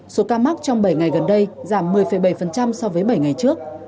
số ca mắc trong bảy ngày gần đây giảm một mươi bảy so với bảy ngày trước